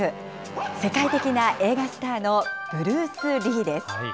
世界的な映画スターのブルース・リーです。